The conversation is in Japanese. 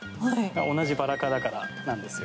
同じバラ科だからなんですよ。